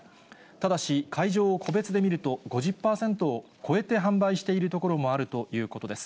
ただし、会場を個別で見ると５０％を超えて販売しているところもあるということです。